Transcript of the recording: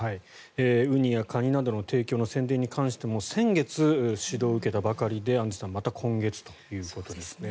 ウニやカニなどの提供の宣伝に関しても先月、指導を受けたばかりでアンジュさんまた今月ということですね。